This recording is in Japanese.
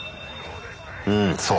うんそう